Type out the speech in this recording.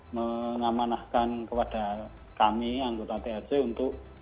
mengamanahkan kepada kami anggota trc untuk